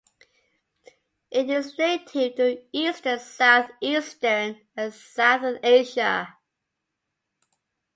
It is native to eastern southeastern, and southern Asia.